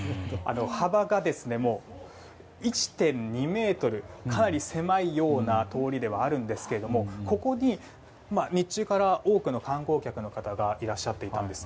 幅が１．２ｍとかなり狭いような通りではあるんですがここに日中から多くの観光客の方がいらっしゃっていたんです。